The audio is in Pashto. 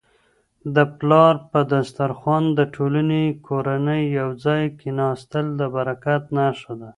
د پلار په دسترخوان د ټولې کورنی یو ځای کيناستل د برکت نښه ده.